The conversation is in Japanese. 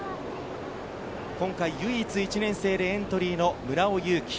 今回、唯一１年生でエントリーの村尾雄己。